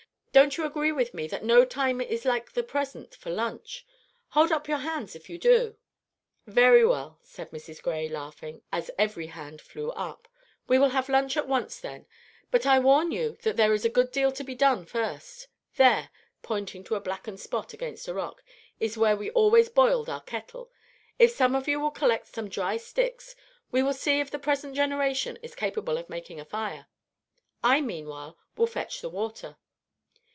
Don't you agree with me that no time is like the present time for lunch? Hold up your hands if you do." "Very well," said Mrs. Gray, laughing, as every hand flew up. "We will have lunch at once, then; but I warn you that there is a good deal to be done first. There," pointing to a blackened spot against a rock, "is where we always boiled our kettle. If some of you will collect some dry sticks, we will see if the present generation is capable of making a fire. I meanwhile will fetch the water."